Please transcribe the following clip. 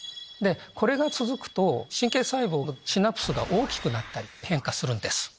これが続くと神経細胞のシナプスが大きくなったり変化するんです。